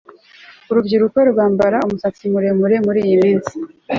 Urubyiruko rwambara umusatsi muremure muriyi minsi